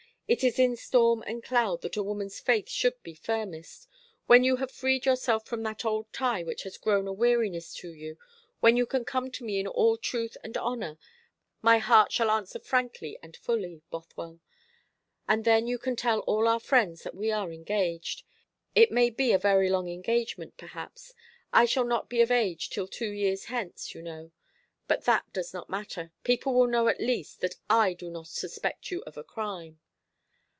It is in storm and cloud that a woman's faith should be firmest. When you have freed yourself from that old tie which has grown a weariness to you, when you can come to me in all truth and honour, my heart shall answer frankly and fully, Bothwell. And then you can tell all our friends that we are engaged. It may be a very long engagement, perhaps. I shall not be of age till two years hence, you know; but that does not matter. People will know at least that I do not suspect you of a crime."